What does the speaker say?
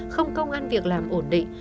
không công an việc làm ổn định